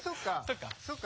そっか。